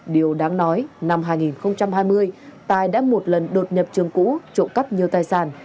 điều đáng nói năm hai nghìn hai mươi tài đã một lần đột nhập trường cũ trộm cắp nhiều tài sản